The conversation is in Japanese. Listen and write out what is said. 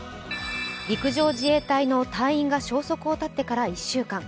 陸上自衛隊の隊員が消息を絶ってから１週間。